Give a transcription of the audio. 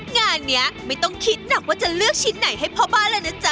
งานนี้ไม่ต้องคิดหนักว่าจะเลือกชิ้นไหนให้พ่อบ้านเลยนะจ๊